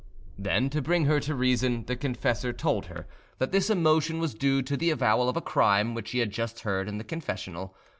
Then, to bring her to reason, the confessor told her that his emotion was due to the avowal of a crime which he had just heard in the confessional.